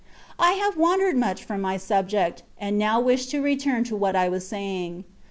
I have wandered much from my subject, and now wish to return to what I was saying.